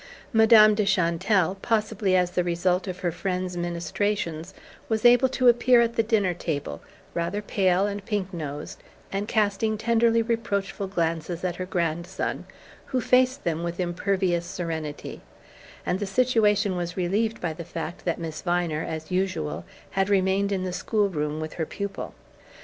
Madame de Chantelle possibly as the result of her friend's ministrations was able to appear at the dinner table, rather pale and pink nosed, and casting tenderly reproachful glances at her grandson, who faced them with impervious serenity; and the situation was relieved by the fact that Miss Viner, as usual, had remained in the school room with her pupil.